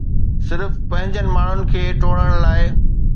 صرف پنهنجن ماڻهن کي ٽوڙڻ لاء